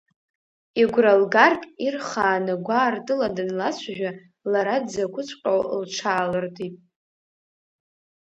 Игәра лгартә ирхааны, гәаартыла данлацәажәа, лара дзакәҵәҟьоу лҽаалыртит.